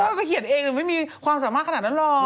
โอ้โฮเขาก็เขียนเองไม่มีความสามารถขนาดนั้นหรอก